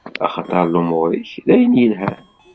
Axaṭer lumuṛ-ik d ayen yelhan.